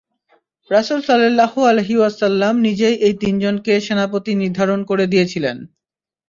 রাসূল সাল্লাল্লাহু আলাইহি ওয়াসাল্লাম নিজেই এই তিনজনকে সেনাপতি নির্ধারণ করে দিয়েছিলেন।